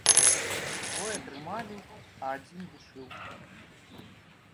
Двое трымалі, а адзін душыў.